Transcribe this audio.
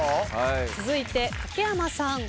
続いて竹山さん。